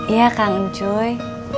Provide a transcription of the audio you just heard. iya kangen cuy